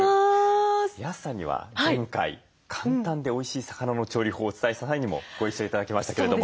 安さんには前回簡単でおいしい魚の調理法をお伝えした際にもご一緒頂きましたけれども。